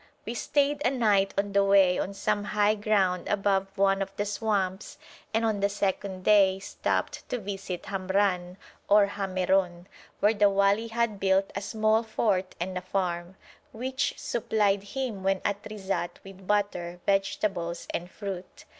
We stayed a night on the way on some high ground above one of the swamps, and on the second day stopped to visit Hamran, or Hameroun, where the wali had built a small fort and a farm, which supplied him when at Rizat with butter, vegetables and fruit.